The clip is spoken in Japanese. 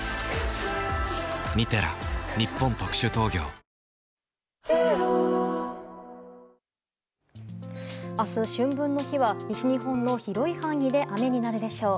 オールインワン明日、春分の日は西日本の広い範囲で雨になるでしょう。